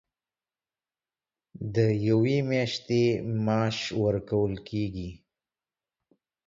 د یوې میاشتې معاش ورکول کېږي.